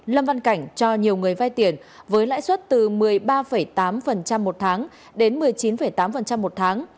lâm văn cảnh cho nhiều người vay tiền với lãi suất từ một mươi ba tám một tháng đến một mươi chín tám một tháng